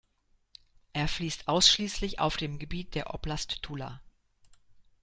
Er fließt ausschließlich auf dem Gebiet der Oblast Tula.